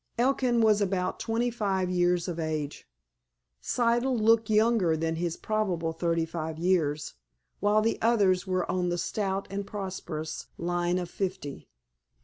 Elkin was about twenty five years of age, Siddle looked younger than his probable thirty five years, while the others were on the stout and prosperous line of fifty.